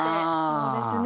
そうですね。